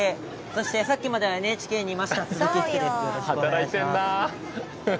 そして、さっきまではＮＨＫにいました鈴木福です。